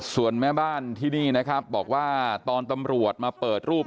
ส่วนแม่บ้านที่นี่นะครับบอกว่าตอนตำรวจมาเปิดรูป